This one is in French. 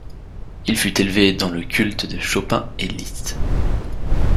Il fut élevé dans le culte de Chopin et Liszt.